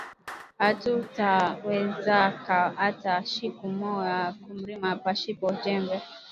Atuta wezaka ata shiku moya kurima pashipo jembe